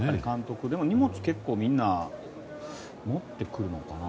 でも荷物をみんな持ってくるのかな。